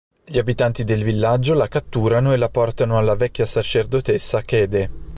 Gli abitanti del villaggio la catturano e la portano alla vecchia sacerdotessa Kaede.